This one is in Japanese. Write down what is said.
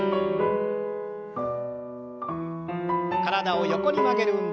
体を横に曲げる運動。